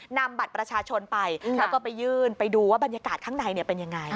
นำบัตรประชาชนไปแล้วก็ไปยื่นไปดูว่าบรรยากาศข้างในเป็นยังไง